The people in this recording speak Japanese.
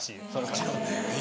もちろんね。